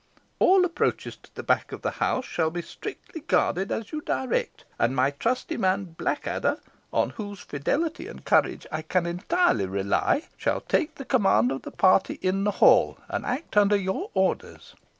All approaches to the back of the house shall be strictly guarded as you direct, and my trusty man, Blackadder, on whose fidelity and courage I can entirely rely, shall take the command of the party in the hall, and act under your orders.